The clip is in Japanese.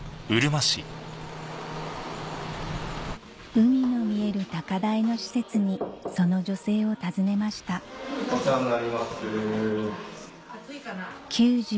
海の見える高台の施設にその女性を訪ねましたお世話になります。